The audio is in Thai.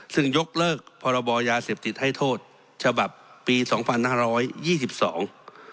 ซึ่งยกเลิกพรบยาเสพติดให้โทษฉบับปีสองพันห้าร้อยยี่สิบสอง